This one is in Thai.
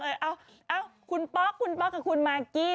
เอ้าคุณป๊อกคุณป๊อกกับคุณมากกี้